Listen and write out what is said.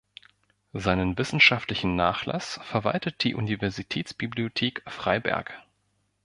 Seinen wissenschaftlichen Nachlass verwaltet die Universitätsbibliothek Freiberg.